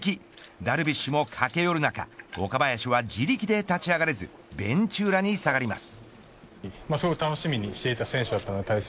ダルビッシュも駆け寄る中岡林は自力で立ち上がれずベンチ裏に下がります。